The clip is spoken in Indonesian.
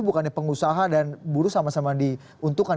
bukannya pengusaha dan buruh sama sama diuntukkan